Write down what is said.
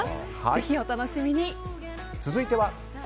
ぜひ、お楽しみに。